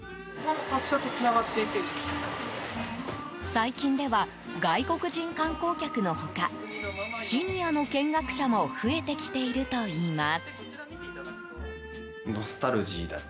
最近では、外国人観光客の他シニアの見学者も増えてきているといいます。